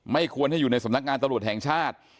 ควรให้อยู่ในสำนักงานตำรวจแห่งชาติ